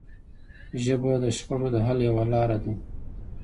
ژبه د شخړو د حل یوه لاره ده